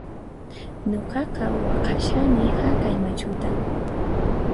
Nuqaqa waqhashani haqay machutan